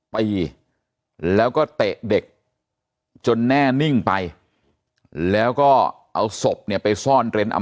ปีแล้วก็เตะเด็กจนแน่นิ่งไปแล้วก็เอาศพเนี่ยไปซ่อนเร้นอำ